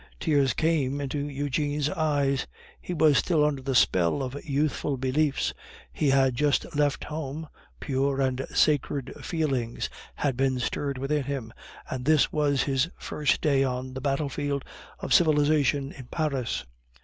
Tears came into Eugene's eyes. He was still under the spell of youthful beliefs, he had just left home, pure and sacred feelings had been stirred within him, and this was his first day on the battlefield of civilization in Paris.